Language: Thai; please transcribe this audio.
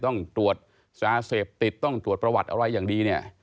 ต้องตรวจสารเสพติดต้องตรวจประวัติอะไรอย่างดีเนี่ย